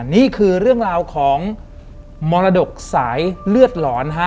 นี่คือเรื่องราวของมรดกสายเลือดหลอนฮะ